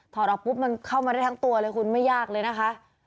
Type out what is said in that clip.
ออกปุ๊บมันเข้ามาได้ทั้งตัวเลยคุณไม่ยากเลยนะคะ